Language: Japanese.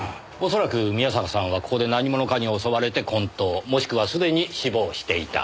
恐らく宮坂さんはここで何者かに襲われて昏倒もしくはすでに死亡していた。